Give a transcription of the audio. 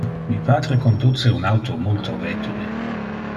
Mi patre conduce un auto multo vetule.